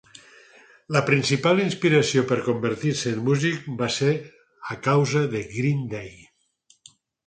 La principal inspiració per convertir-se en músic va ser a causa de Green Day.